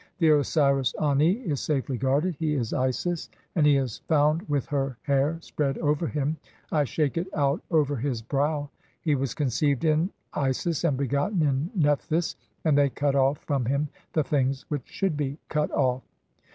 "The Osiris Ani is safely guarded. He is Isis, "and he is found (135) with [her] hair spread over him, I shake "it out over his brow. He was conceived in Isis and begotten "(i36) in Nephthys ; and they cut off from him the things which "should be cut off."